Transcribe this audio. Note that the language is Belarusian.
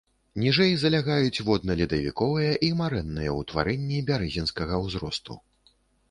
Ніжэй залягаюць водна-ледавіковыя і марэнныя ўтварэнні бярэзінскага ўзросту.